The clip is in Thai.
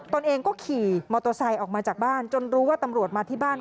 ตนเองก็ขี่มอเตอร์ไซค์ออกมาจากบ้านจนรู้ว่าตำรวจมาที่บ้าน